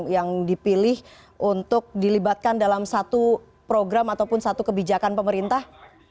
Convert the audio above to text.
yang dipilih untuk dilibatkan dalam satu program ataupun satu kebijakan pemerintah